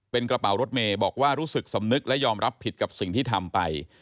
เป็นกระเป๋ารถเมย์บอกว่ารู้สึกสำนึกและยอมรับผิดกับสิ่งที่ทำไป